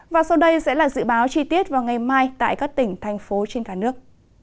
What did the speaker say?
và sau đây sẽ là dự báo chi tiết vào ngày mai tại các tỉnh thành phố trên cả nước